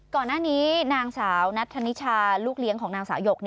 ก่อนหน้านี้นางสาวนัทธนิชาลูกเลี้ยงของนางสาวหยก